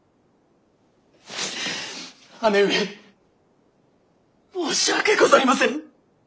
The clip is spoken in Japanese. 姉上申し訳ござりませぬ。